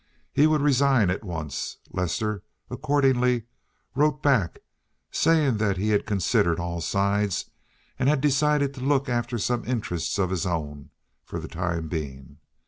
He would resign at once. Lester accordingly wrote back, saying that he had considered all sides, and had decided to look after some interests of his own, for the time being.